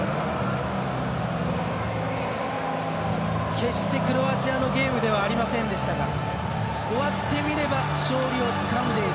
決して、クロアチアのゲームではありませんでしたが終わってみれば勝利をつかんでいる。